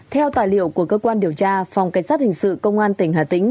theo tài liệu của cơ quan điều tra phòng cảnh sát hình sự công an tỉnh hà tĩnh